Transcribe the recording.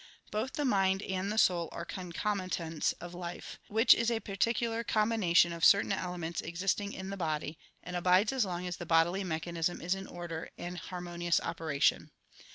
Both the mind and the soul are concomitants of life, which is a particular com bination of certain elements existing in the body, and abides as long as the bodily mechanism is in order and harmonious operation.